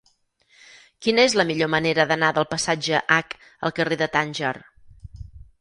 Quina és la millor manera d'anar del passatge Hac al carrer de Tànger?